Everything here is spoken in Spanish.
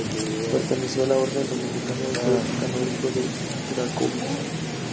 Perteneció a la Orden dominica y fue canónigo de Cracovia.